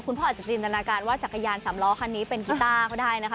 พ่ออาจจะจินตนาการว่าจักรยานสามล้อคันนี้เป็นกีต้าก็ได้นะคะ